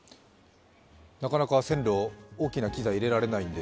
なかなか線路、大きな機材を入れられないので、